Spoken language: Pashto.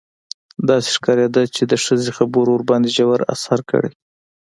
داسې ښکارېده چې د ښځې خبرو ورباندې ژور اثر کړی.